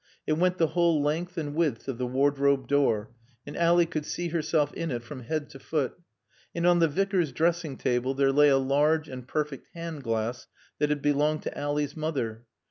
It went the whole length and width of the wardrobe door, and Ally could see herself in it from head to foot. And on the Vicar's dressing table there lay a large and perfect hand glass that had belonged to Ally's mother.